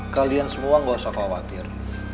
kalian semua gak usah khawatir